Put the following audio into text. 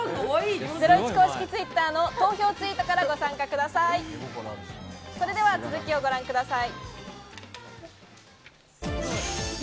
ゼロイチ公式Ｔｗｉｔｔｅｒの投票ツイートからご参加ください。